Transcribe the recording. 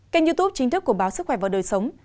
kênh youtube chính thức của báo sức khỏe và đời sống